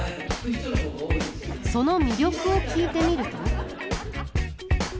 その魅力を聞いてみると。